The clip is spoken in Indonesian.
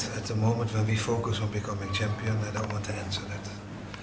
pada saat kita fokus menjadi pemenang saya tidak ingin menjawab itu